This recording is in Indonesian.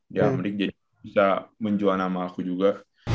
ya rick jadi bisa menjuang sama aku juga